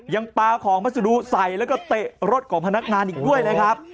ยังปลาของพัสดุใส่แล้วก็เตะรถของพนักงานอีกด้วยนะครับ